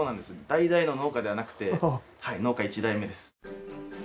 代々の農家ではなくて農家１代目です。